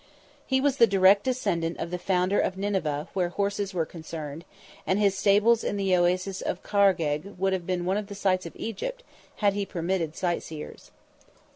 He was the direct descendant of the founder of Nineveh where horses were concerned, and his stables in the Oasis of Khargegh would have been one of the sights of Egypt, had he permitted sightseers.